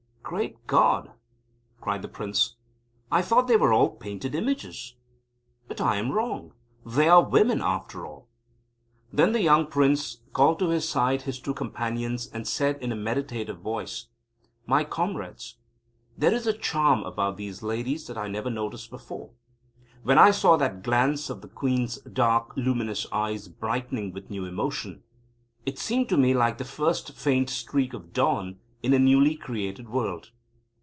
"Great God," cried the Prince, "I thought they were all painted images. But I am wrong. They are women after all." Then the young Prince called to his side his two Companions, and said in a meditative voice; "My comrades! There is a charm about these ladies that I never noticed before. When I saw that glance of the Queen's dark, luminous eyes, brightening with new emotion, it seemed to me like the first faint streak of dawn in a newly created world."